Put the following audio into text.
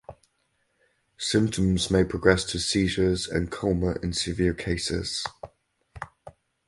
Symptoms may progress to seizures and coma in severe cases.